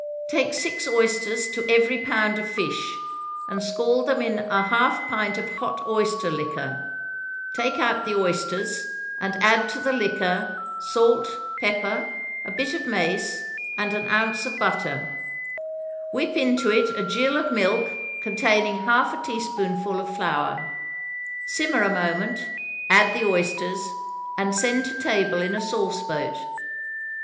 Take six oysters to every pound of fish, and scald them in a half pint of hot oyster liquor; take out the oysters, and add to the liquor, salt, pepper, a bit of mace, and an ounce of butter; whip into it a gill of milk, containing half of a teaspoonful of flour. Simmer a moment; add the oysters, and send to table in a sauce boat.